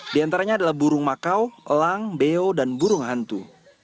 di antaranya adalah burung makau elang beo dan burung hantu